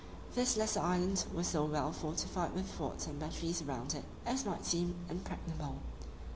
This lesser island was so well fortified with forts and batteries round it, as might seem impregnable.